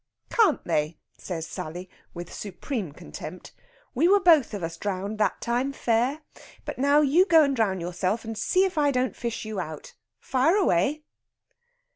"Can't they?" says Sally, with supreme contempt. "We were both of us drowned that time fair. But now you go and drown yourself, and see if I don't fish you out. Fire away!"